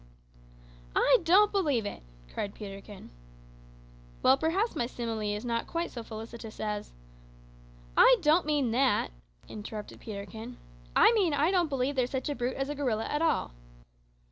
"I don't believe it," cried Peterkin. "Well, perhaps my simile is not quite so felicitous as " "I don't mean that," interrupted Peterkin; "I mean that I don't believe there's such a brute as a gorilla at all."